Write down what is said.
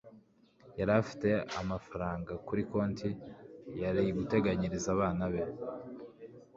yari afite amafaranga kuri konti yari guteganyiriza abana be